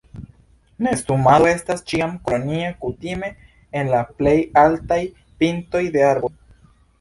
Nestumado estas ĉiam kolonia, kutime en la plej altaj pintoj de arboj.